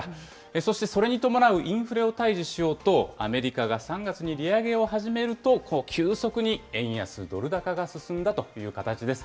そしてそれに伴うインフレを退治しようと、アメリカが３月に利上げを始めると、急速に円安ドル高が進んだという形です。